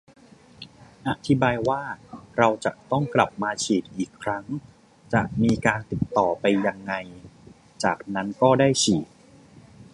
อธิบายว่าเราจะต้องกลับมาฉีดอีกครั้ง จะมีการติดต่อไปยังไง จากนั้นก็ได้ฉีด